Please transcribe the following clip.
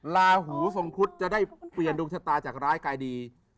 ลาหูทรงครุฑจะได้เปลี่ยนดวงชะตาจากร้ายกายดี